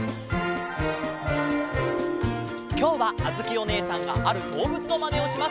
きょうはあづきおねえさんがあるどうぶつのまねをします。